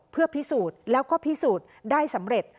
เพื่อพิสูจน์แล้วก็พิสูจน์ได้สำเร็จ